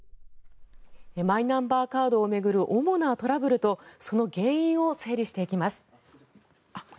マイナンバーカードを巡る主なトラブルとその原因を整理していきます。